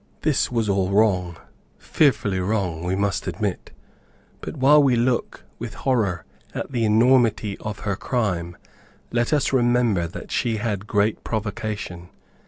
This was all wrong, fearfully wrong we must admit. But while we look with horror at the enormity of her crime let us remember that she had great provocation.